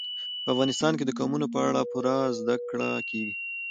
په افغانستان کې د قومونه په اړه پوره زده کړه کېږي.